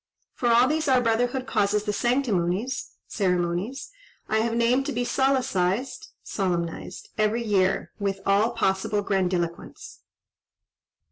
For all these our brotherhood causes the sanctimonies (ceremonies) I have named to be solecised (solemnised) every year, with all possible grandiloquence.